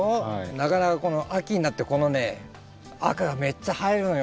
なかなかこの秋になってこのね赤がめっちゃ映えるのよ